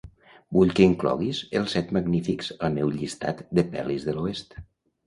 Vull que incloguis "Els set magnífics" al meu llistat de pel·lis de l'oest.